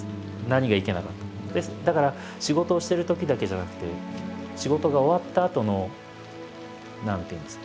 だから仕事をしてるときだけじゃなくて仕事が終わったあとの何ていうんですか。